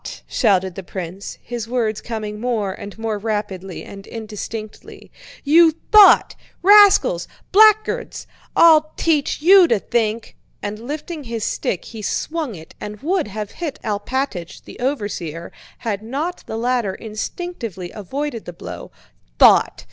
shouted the prince, his words coming more and more rapidly and indistinctly. "You thought!... Rascals! Blackguards!... I'll teach you to think!" and lifting his stick he swung it and would have hit Alpátych, the overseer, had not the latter instinctively avoided the blow. "Thought...